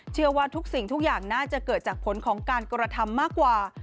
เชื่อว่าทุกสิ่งทุกอย่างน่าจะเกิดจากผลของการกระทำมากกว่า